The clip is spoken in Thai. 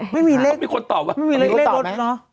ไม่มีเลขไม่มีเลขรถ